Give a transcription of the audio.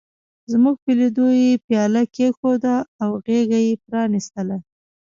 زموږ په لیدو یې پياله کېښوده او غېږه یې پرانستله.